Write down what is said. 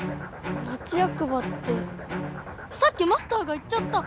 町やく場ってさっきマスターが行っちゃった！